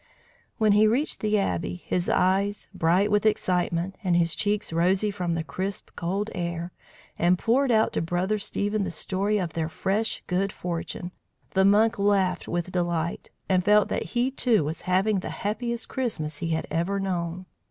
When he reached the Abbey, his eyes bright with excitement, and his cheeks rosy from the crisp cold air, and poured out to Brother Stephen the story of their fresh good fortune, the monk laughed with delight, and felt that he, too, was having the happiest Christmas he had ever known.